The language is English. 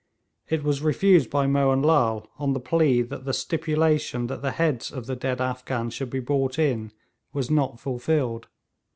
It was refused by Mohun Lal on the plea that the stipulation that the heads of the dead Afghans should be brought in was not fulfilled.